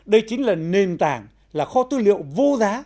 đây chính là nền tảng là kho tư liệu vô giá